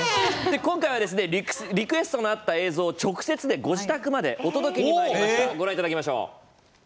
今回はリクエストのあった映像をご自宅までお届けにまいりました。